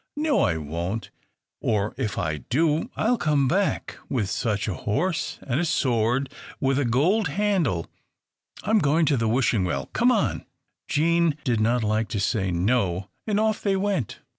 "No, I won't; or if I do, I 'll come back, with such a horse, and a sword with a gold handle. I'm going to the Wishing Well. Come on!" Jean did not like to say "No," and off they went.